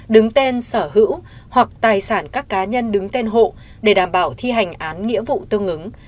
đứng tên sở hữu hoặc tài sản các cá nhân đứng tên hộ để đảm bảo thi hành án nghĩa vụ tương ứng